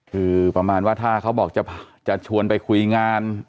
คือประมาณว่าถ้าเขาบอกจะชวนไปคุยงาน